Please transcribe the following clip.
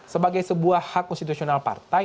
sebagai sebuah hak konstitusional partai